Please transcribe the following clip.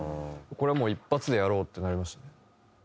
これはもう一発でやろうってなりましたね。